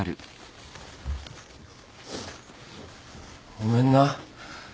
ごめんな。